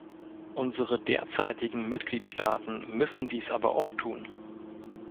Unsere derzeitigen Mitgliedstaaten müssen dies aber auch tun.